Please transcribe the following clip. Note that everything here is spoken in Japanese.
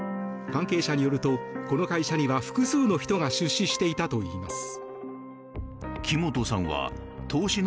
関係者によると、この会社には複数の人が出資していたといいます。